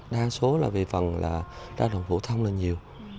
đa số là về phần là lao động phổ thông là nhiều